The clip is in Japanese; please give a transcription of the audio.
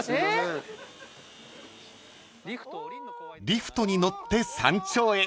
［リフトに乗って山頂へ］